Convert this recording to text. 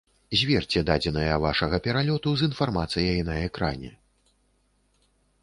Зверце дадзеныя вашага пералёту з інфармацыяй на экране.